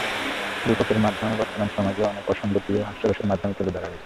রূপকের মাধ্যমে বর্তমান সমাজের অনেক অসংগতিও হাস্যরসের মাধ্যমে তুলে ধরা হয়েছে।